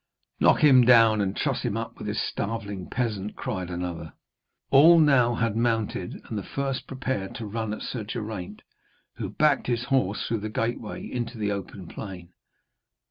'Knock him down and truss him up with this starveling peasant,' cried another. All now had mounted, and the first prepared to run at Sir Geraint, who backed his horse through the gateway into the open plain.